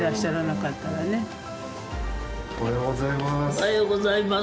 おはようございます。